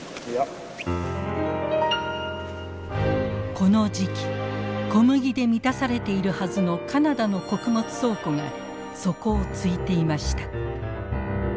この時期小麦で満たされているはずのカナダの穀物倉庫が底をついていました。